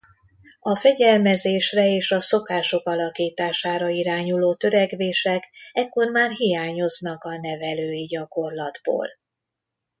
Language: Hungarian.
A fegyelmezésre és a szokások alakítására irányuló törekvések ekkor már hiányoznak a nevelői gyakorlatból.